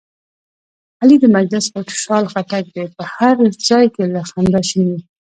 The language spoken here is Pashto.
علي د مجلس خوشحال خټک دی، په هر ځای کې له خندا شین وي.